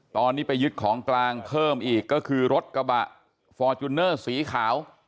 ตอนนี้ไปยึดของกลางเพิ่มอีกก็คือรถกระบะฟอร์จูเนอร์สีขาว